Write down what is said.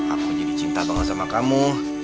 aku jadi cinta banget sama kamu